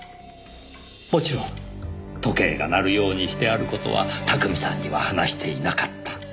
もちろん時計が鳴るようにしてある事は巧さんには話していなかった。